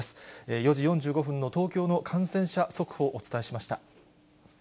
４時４５分の東京の感染者速報、お伝えしました。